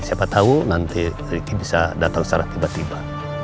siapa tahu nanti ricky bisa datang secara tiba tiba